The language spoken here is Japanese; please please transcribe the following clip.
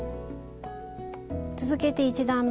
続けて一段め。